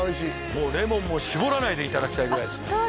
もうレモンも搾らないでいただきたいぐらいですねあっ